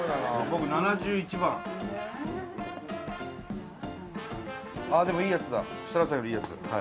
僕ああでもいいやつだ設楽さんよりいいやつだ